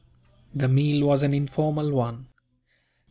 The meal was an informal one.